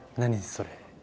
それ。